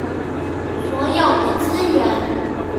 所有的資源